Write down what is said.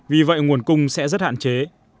vì vậy nguồn cung sẽ rất hạn chế